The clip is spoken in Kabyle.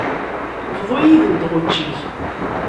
Bḍu yid-nteɣ učči-k.